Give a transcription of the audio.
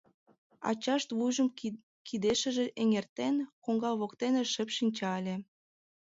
Ачашт вуйжым кидешыже эҥертен, коҥга воктене шып шинча ыле.